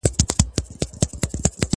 زه اوږده وخت ليکلي پاڼي ترتيب کوم.